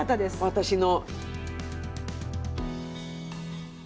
私の。